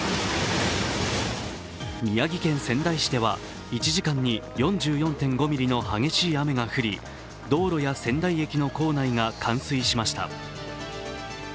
宮城県仙台市では１時間に４４．５ミリの激しい雨が降り道路や仙台駅の構内が冠水しました。